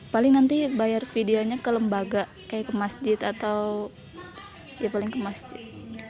paling nanti bayar vidyanya ke lembaga kayak ke masjid atau ya paling ke masjid